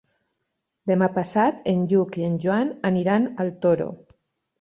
Demà passat en Lluc i en Joan aniran al Toro.